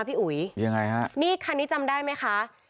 พี่อุ๋ยยังไงค่ะนี่คันนี้จำยยวยมั้ยคะ